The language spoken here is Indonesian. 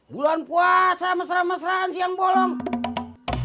bulan puasa mesra mesraan siang bolong